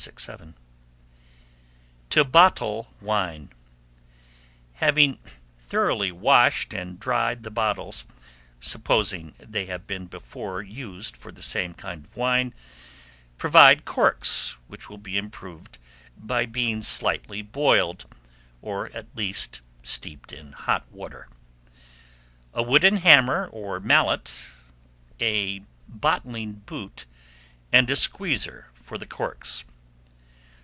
To Bottle Wine. Having thoroughly washed and dried the bottles, supposing they have been before used for the same kind of wine, provide corks, which will be improved by being slightly boiled, or at least steeped in hot water, a wooden hammer or mallet, a bottling boot, and a squeezer for the corks.